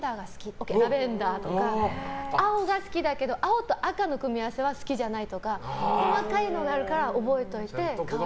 ＯＫ、ラベンダーとか青が好きだけど青と赤の組み合わせは好きじゃないとかちゃんと子供本人にね。